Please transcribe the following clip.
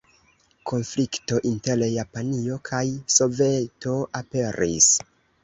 Konflikto inter Japanio kaj Soveto aperis.